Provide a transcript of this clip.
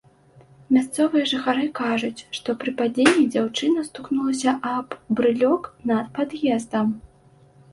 Мясцовыя жыхары кажуць, што пры падзенні дзяўчына стукнулася аб брылёк над пад'ездам.